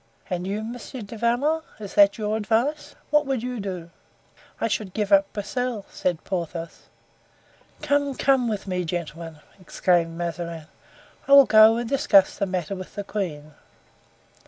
"And you, Monsieur du Vallon, is that your advice? What would you do?" "I should give up Broussel," said Porthos. "Come, come with me, gentlemen!" exclaimed Mazarin. "I will go and discuss the matter with the queen."